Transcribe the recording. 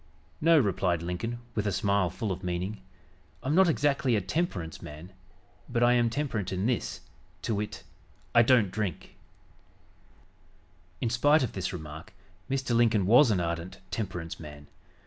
"No," replied Lincoln with a smile full of meaning, "I'm not exactly a temperance man, but I am temperate in this, to wit: I don't drink!" In spite of this remark, Mr. Lincoln was an ardent temperance man.